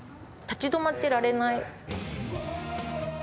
立ち止まってられない。